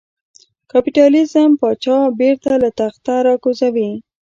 کاپیتالېزم پاچا بېرته له تخته را کوزوي.